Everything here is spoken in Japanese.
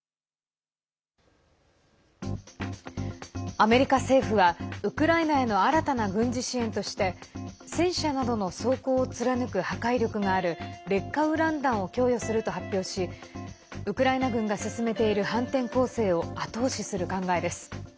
アメリカ政府はウクライナへの新たな軍事支援として戦車などの装甲を貫く破壊力がある劣化ウラン弾を供与すると発表しウクライナ軍が進めている反転攻勢を後押しする考えです。